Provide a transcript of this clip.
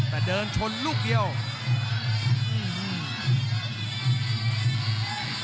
กรรมการเตือนทั้งคู่ครับ๖๖กิโลกรัม